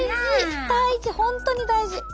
本当に大事！